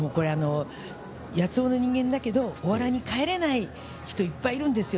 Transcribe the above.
八尾の人間だけどおわらに帰れない人いっぱいいるんですよ。